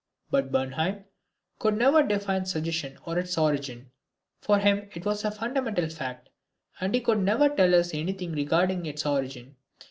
But Bernheim could never define suggestion or its origin. For him it was a fundamental fact, and he could never tell us anything regarding its origin.